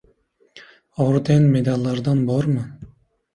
Orden-medallardan bormi?